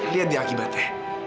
lihat dia akibatnya